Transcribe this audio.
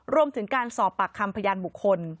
รวมถึงการสอบปากคำพยานบุคคล